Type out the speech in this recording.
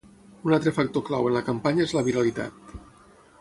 Un altre factor clau en la campanya és la viralitat.